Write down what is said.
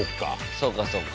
そうかそうか。